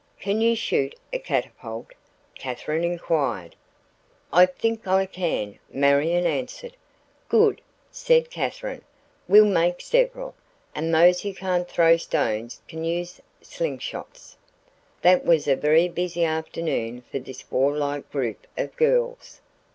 "Can you shoot a catapult?" Katherine inquired. "I think I can," Marion answered. "Good," said Katherine. "We'll make several, and those who can't throw stones can use slingshots." That was a very busy afternoon for this warlike group of girls.